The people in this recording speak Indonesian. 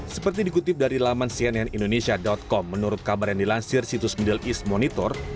seperti dikutip dari laman cnnindonesia com menurut kabar yang dilansir situs middle east monitor